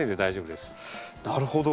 なるほど！